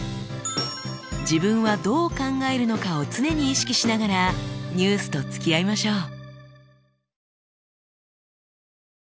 自分はどう考えるのかを常に意識しながらニュースとつきあいましょう。